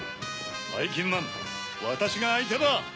ばいきんまんわたしがあいてだ！